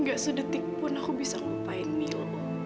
gak sedetik pun aku bisa ngupain mil